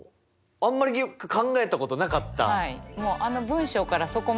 あんまり考えたことなかった。